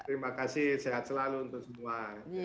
terima kasih sehat selalu untuk semua